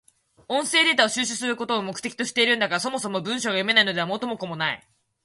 音声データを収集することを目的としているんだから、そもそも文章が読めないのでは元も子もない。